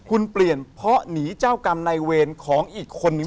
คุณเปลี่ยนเพราะหนีเจ้ากรรมในเวรของอีกคนนึง